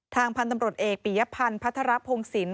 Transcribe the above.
ทางพันธุ์ตำรวจเอกปียพันธ์พัฒระพงศิลป